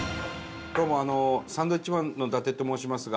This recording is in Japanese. どうもサンドウィッチマンの伊達と申しますが。